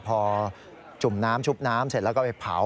พอจุ่มน้ำชุบน้ำเสร็จแล้วก็ไปเผา